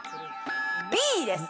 Ｂです。